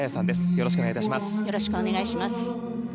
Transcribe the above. よろしくお願いします。